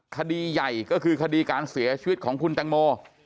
คดีใหญ่ก็คือคดีการเสียชีวิตของคุณแตงโม